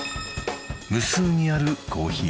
無数にあるコーヒー